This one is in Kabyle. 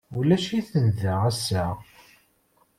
Ulac-iten da ass-a.